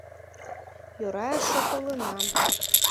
Йӧра эше толынам.